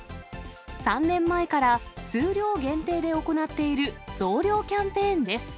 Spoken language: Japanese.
３年前から数量限定で行っている増量キャンペーンです。